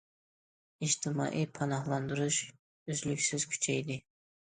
ئىجتىمائىي پاناھلاندۇرۇش ئۈزلۈكسىز كۈچەيدى.